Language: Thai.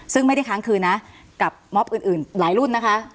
ซึ่งไม่ได้ค้างคืนนะกับมอบอื่นหลายรุ่นนะคะ